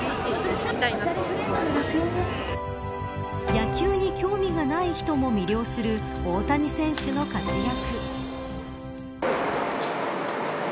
野球に興味がない人も魅了する大谷選手の活躍。